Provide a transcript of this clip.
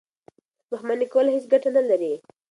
دښمني کول هېڅ ګټه نه لري.